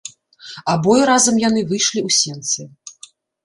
Абое разам яны выйшлі ў сенцы.